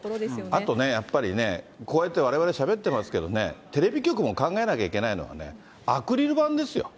あとね、やっぱりね、こうやってわれわれしゃべってますけどね、テレビ局も考えなきゃいけないのはね、アクリル板ですよ。